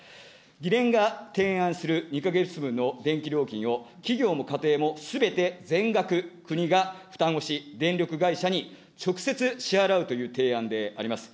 議連が提案する２か月分の電気料金を、企業も家庭もすべて全額国が負担をし、電力会社に直接支払うという提案であります。